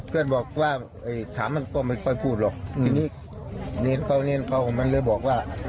เพื่อนบอกว่าไอ้ถามมันก็ไม่ปล่อยพูดหรอกอืมทีนี้เนรนเขาเนรนเขามันเลยบอกว่า